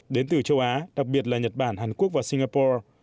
đến từ châu á đặc biệt là nhật bản hàn quốc và singapore